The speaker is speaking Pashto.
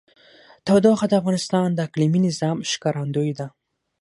تودوخه د افغانستان د اقلیمي نظام ښکارندوی ده.